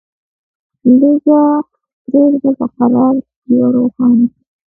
لیږه پریږده په قرار ډېوه روښانه